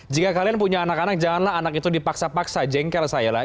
jika kalian punya anak anak janganlah anak itu dipaksa paksa jengkel saya lah